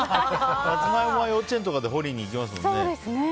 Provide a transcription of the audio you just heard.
サツマイモは、幼稚園とかで掘りに行きますもんね。